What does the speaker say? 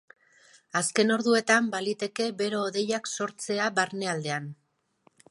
Azken orduetan baliteke bero hodeiak sortzea barnealdean.